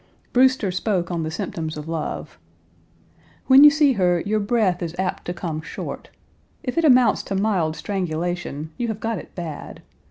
Brewster spoke on the symptoms of love: "When you see her, your breath is apt to come short. If it amounts to mild strangulation, you have got it bad.